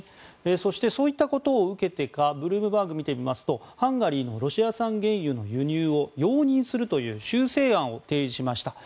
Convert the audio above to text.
そしてそういったことを受けてかブルームバーグ見てみますとハンガリーのロシア産原油の輸入を容認するという修正案を提示しました。